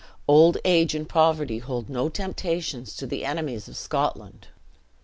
Old age and poverty hold no temptations to the enemies of Scotland."